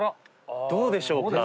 どうでしょうか？